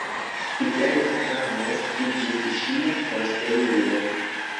Fidel Ramos iĝis ŝia posteulo.